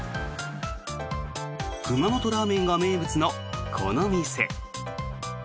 熊本ラーメンが名物のこの店。